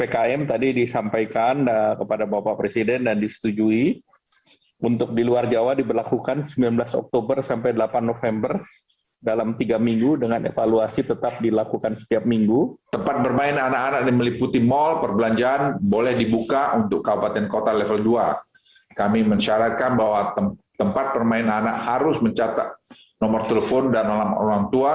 kami mensyarakan bahwa tempat bermain anak harus mencatat nomor telepon dan nolam orang tua